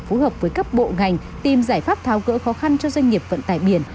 phù hợp với các bộ ngành tìm giải pháp tháo gỡ khó khăn cho doanh nghiệp vận tải biển